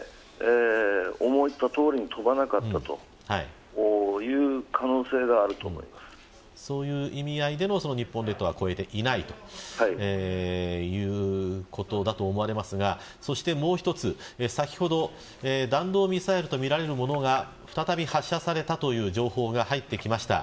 思ったとおりに飛ばなかったというそういう意味合いでの日本列島は越えていないということだと思われますがそして、もう１つ、先ほど弾道ミサイルとみられるものが再び発射されたという情報が入ってきました。